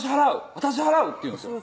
私払う！」って言うんですよ